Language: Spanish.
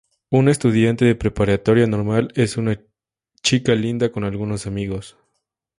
Una estudiante de preparatoria normal, es una chica linda con algunos amigos.